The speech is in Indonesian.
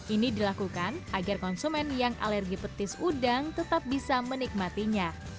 ini dilakukan agar konsumen yang alergi petis udang tetap bisa menikmatinya